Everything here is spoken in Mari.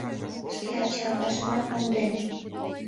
Шке ача-аважымат монден!